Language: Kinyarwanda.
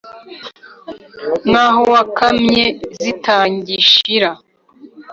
nk' aho wakamye zitangishira?